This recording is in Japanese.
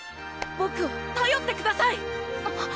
ボクをたよってください！